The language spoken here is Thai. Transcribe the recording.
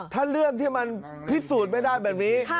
ถ้าเรื่องที่มันพิสูจน์ไม่ได้แบบนี้